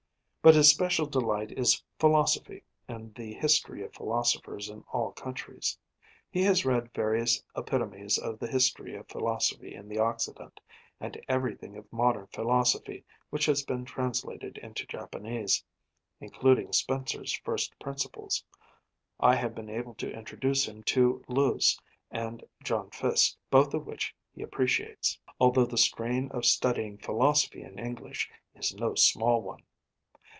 But his special delight is philosophy and the history of philosophers in all countries. He has read various epitomes of the history of philosophy in the Occident, and everything of modern philosophy which has been translated into Japanese including Spencer's First Principles. I have been able to introduce him to Lewes and John Fiske both of which he appreciates, although the strain of studying philosophy in English is no small one.